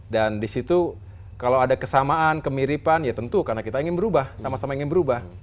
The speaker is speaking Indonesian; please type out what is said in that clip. dan disitu kalau ada kesamaan kemiripan ya tentu karena kita ingin berubah sama sama ingin berubah